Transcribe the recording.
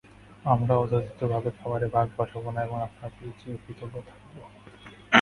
আমরা অযাচিতভাবে খাবারে ভাগ বসাবো না, এবং আপনার প্রতি চিরকৃতজ্ঞ থাকব।